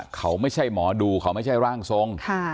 เขาไม่ใช่หมอดูเขาไม่ใช่ร่างทรง